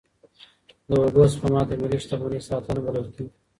د اوبو سپما د ملي شتمنۍ ساتنه بلل کېږي.